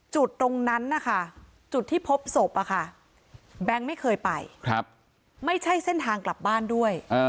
จุดตรงนั้นนะคะจุดที่พบศพแบงค์ไม่เคยไปไม่ใช่เส้นทางกลับบ้านด้วย